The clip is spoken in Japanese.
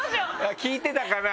聞いてたかな？